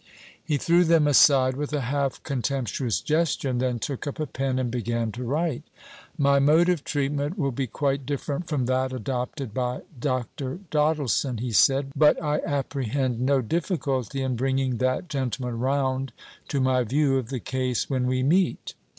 He threw them aside with a half contemptuous gesture, and then took up a pen and began to write. "My mode of treatment will be quite different from that adopted by Dr. Doddleson," he said; "but I apprehend no difficulty in bringing that gentleman round to my view of the case when we meet."